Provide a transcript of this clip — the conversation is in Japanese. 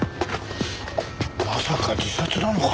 まさか自殺なのか？